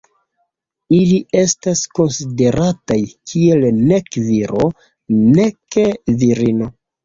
Ili estas konsiderataj kiel nek viro nek virino.